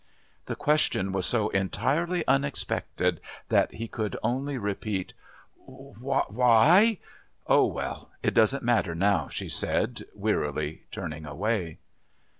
The question was so entirely unexpected that he could only repeat: "Why?..." "Oh, well, it doesn't matter now," she said, wearily turning away.